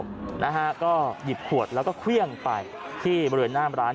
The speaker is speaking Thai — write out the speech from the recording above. จะหยิบขวดแล้วก็เคลือกลงไปที่บริเวณหน้าร้าน